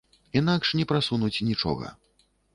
Інакш не прасунуць нічога.